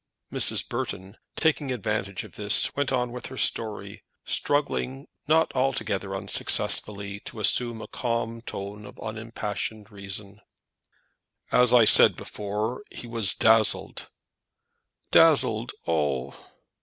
Mrs. Burton, taking advantage of this, went on with her story, struggling, not altogether unsuccessfully, to assume a calm tone of unimpassioned reason. "As I said before, he was dazzled " "Dazzled! oh!"